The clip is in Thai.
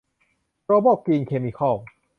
โกลบอลกรีนเคมิคอล